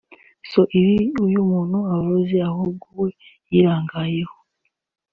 so ibi uyu muntu yavuze ahubwo we yirangayeho